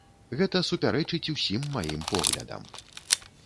Гэта супярэчыць усім маім поглядам.